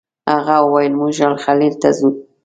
هغه وویل موږ الخلیل ته ځو.